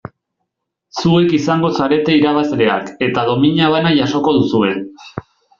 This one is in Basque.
Zuek izango zarete irabazleak eta domina bana jasoko duzue.